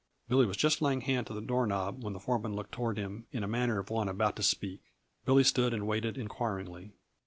Billy was just laying hand to the door knob when the foreman looked toward him in the manner of one about to speak. Billy stood and waited inquiringly.